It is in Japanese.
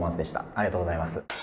ありがとうございます。